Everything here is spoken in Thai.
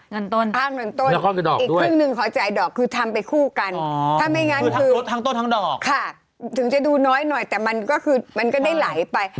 งานต้นแล้วก็ดอกด้วยคือทั้งต้นทั้งดอกถึงจะดูน้อยหน่อยแต่มันก็คือมันก็ได้ไหลไป